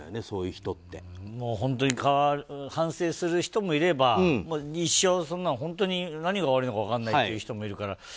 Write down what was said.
そういう人って。反省する人もいれば一生、本当に何が悪いのか分からないという人もいるから。